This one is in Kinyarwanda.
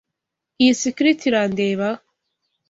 Iyi skirt irandeba?